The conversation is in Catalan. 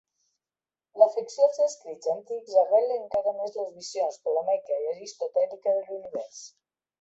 L'afecció als escrits antics arrelen encara més les visions ptolemaica i aristotèlica de l'univers.